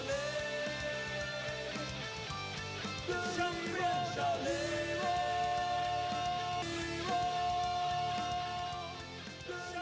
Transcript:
มีความรู้สึกว่า